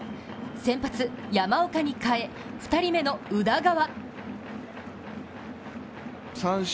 先発・山岡にかえ２人目の宇田川。